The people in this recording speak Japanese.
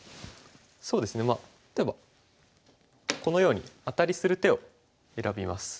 そうですねまあ例えばこのようにアタリする手を選びます。